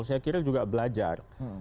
saya kira juga belajar